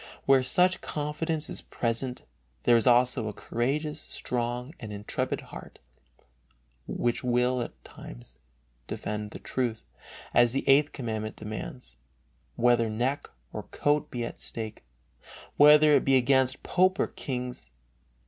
Where such confidence is present there is also a courageous, strong and intrepid heart, which will at all times defend the truth, as the Eighth Commandment demands, whether neck or coat be at stake, whether it be against pope or kings.